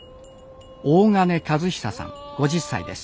大鐘和久さん５０歳です。